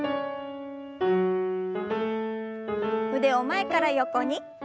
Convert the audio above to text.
腕を前から横に。